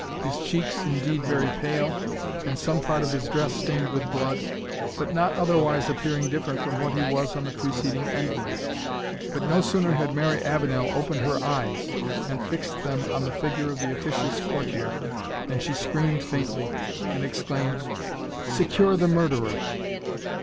his cheeks, indeed, very pale, and some part of his dress stained with blood, but not otherwise appearing different from what he was on the preceding evening. But no sooner had Mary Avenel opened her eyes, and fixed them on the figure of the officious courtier, than she screamed faintly, and exclaimed, "Secure the murderer!"